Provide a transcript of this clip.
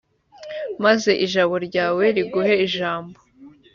maze ijabo ryawe riguhe ijambo